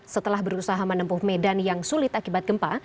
setelah berusaha menempuh medan yang sulit akibat gempa